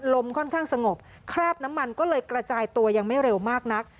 ค่อนข้างสงบคราบน้ำมันก็เลยกระจายตัวยังไม่เร็วมากนัก